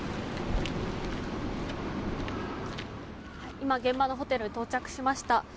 今現場のホテルに到着しました。